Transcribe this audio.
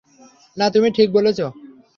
না, তুমি ঠিক বলেছ।